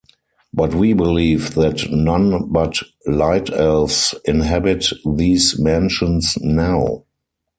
But we believe that none but Light-Elves inhabit these mansions now.